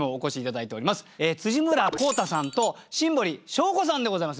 村幸多さんと新堀笙子さんでございます。